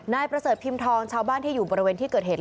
นายประเสริฐพิมพ์ทองชาวบ้านที่อยู่บริเวณที่เกิดเหตุ